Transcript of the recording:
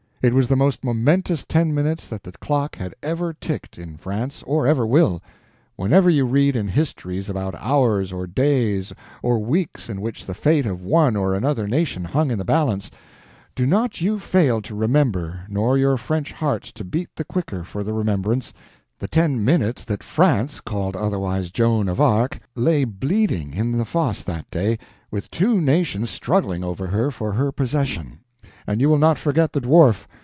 It was the most momentous ten minutes that the clock has ever ticked in France, or ever will. Whenever you read in histories about hours or days or weeks in which the fate of one or another nation hung in the balance, do not you fail to remember, nor your French hearts to beat the quicker for the remembrance, the ten minutes that France, called otherwise Joan of Arc, lay bleeding in the fosse that day, with two nations struggling over her for her possession. And you will not forget the Dwarf.